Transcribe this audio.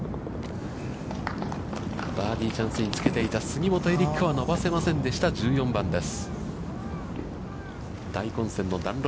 バーディーチャンスにつけていた杉本エリックは、伸ばせませんでした、１４番です。